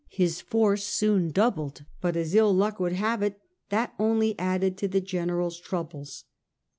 His force was soon doubled, but as ill luck would have it that only added to the generals' troubles.